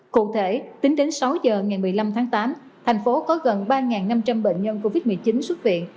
cụ thể tính đến sáu giờ ngày một mươi năm tháng tám thành phố có gần ba năm trăm linh bệnh nhân covid một mươi chín xuất viện